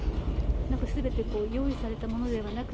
なんかすべて用意されたものではなくて。